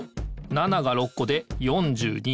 ７が６こで４２。